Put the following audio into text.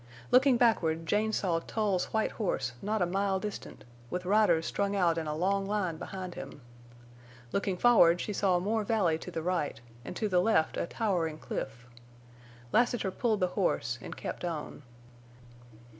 Looking backward, Jane saw Tull's white horse not a mile distant, with riders strung out in a long line behind him. Looking forward, she saw more valley to the right, and to the left a towering cliff. Lassiter pulled the horse and kept on.